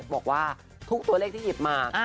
บอกว่าทุกตัวเลขที่หยิบมา